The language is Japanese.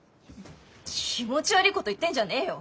気持ち悪いこと言ってんじゃねえよ。